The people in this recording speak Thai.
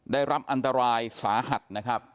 ได้รับอันตรายสาหัสนะครับ